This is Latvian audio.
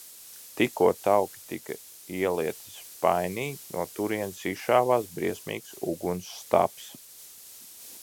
Tikko tauki tika ielieti spainī, no turienes izšāvās briesmīgs uguns stabs.